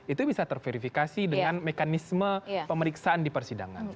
itu bisa terverifikasi dengan mekanisme pemeriksaan di persidangan